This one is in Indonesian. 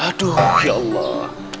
aduh ya allah